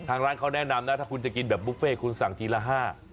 ร้านเขาแนะนำนะถ้าคุณจะกินแบบบุฟเฟ่คุณสั่งทีละห้า